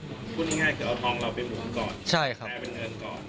พูดง่ายเดี๋ยวเอาทองเราไปหมุนก่อน